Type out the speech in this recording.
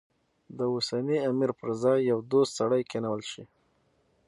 د اوسني امیر پر ځای یو دوست سړی کېنول شي.